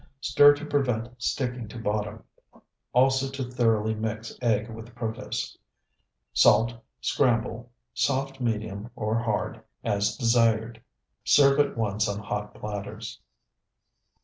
Stir to prevent sticking to bottom, also to thoroughly mix egg with protose. Salt, scramble (soft medium, or hard), as desired. Serve at once on hot platters.